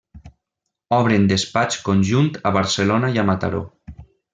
Obren despatx conjunt a Barcelona i a Mataró.